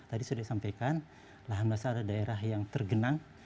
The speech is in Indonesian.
tadi sudah disampaikan lahan basah adalah daerah yang tergenang